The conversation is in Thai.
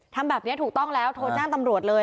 ทำแบบนี้ถูกต้องแล้วโทรแจ้งตำรวจเลย